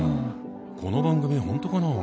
この番組本当かな？